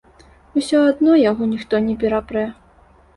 Усё адно яго ніхто не перапрэ.